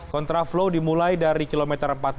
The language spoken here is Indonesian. kontraflow dimulai dari km